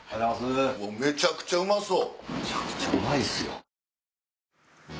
めちゃくちゃうまそう！